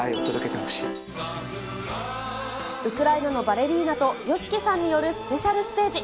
ウクライナのバレリーナとＹＯＳＨＩＫＩさんによるスペシャルステージ。